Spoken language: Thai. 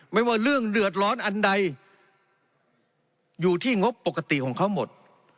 ไม่ว่าเรื่องเดือดร้อนอันใดอยู่ที่งบปกติของเขาหมด